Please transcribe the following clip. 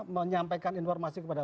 menyampaikan informasi kepada